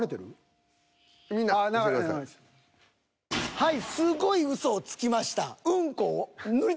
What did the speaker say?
はいすごいうそをつきました。